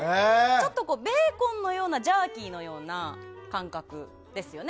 ちょっとベーコンのようなジャーキーのような感覚ですよね